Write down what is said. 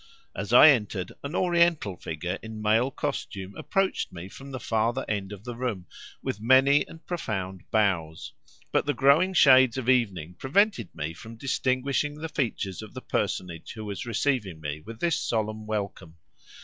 As I entered, an Oriental figure in male costume approached me from the farther end of the room with many and profound bows, but the growing shades of evening prevented me from distinguishing the features of the personage who was receiving me with this solemn welcome.